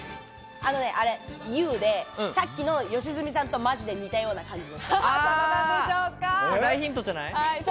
あのね、さっきの良純さんとマジで似たような感じの。